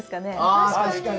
あ確かに。